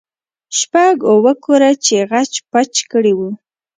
شپږ اوه کوره يې خچ پچ کړي وو.